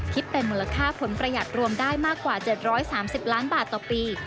คิดเป็นมูลค่าผลประหยัดรวมได้มากกว่า๗๓๐ล้านบาทต่อปี